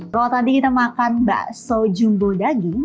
kalau tadi kita makan bakso jumbo daging